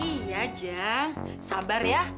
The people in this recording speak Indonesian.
iya jang sabar ya